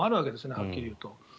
はっきり言うと。